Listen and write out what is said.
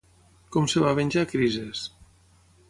Com es va venjar Crises?